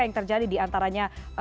yang terjadi diantaranya